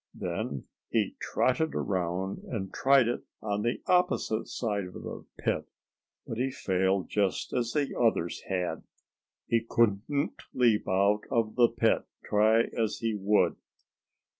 Then he trotted around and tried it on the opposite side of the pit. But he failed just as the others had. He couldn't leap out of the pit, try as he would.